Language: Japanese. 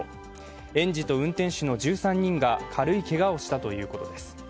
園児と運転手の１３人が軽いけがをしたということです。